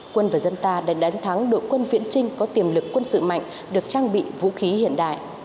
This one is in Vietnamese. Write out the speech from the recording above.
quân và dân ta đã đánh thắng đội quân viễn trinh có tiềm lực quân sự mạnh được trang bị vũ khí hiện đại